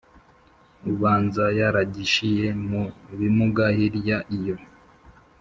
ubanza yaragishiye mu bimuga hirya iyo